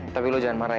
tapi lo jangan marah ya